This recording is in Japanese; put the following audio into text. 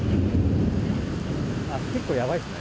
結構やばいですね。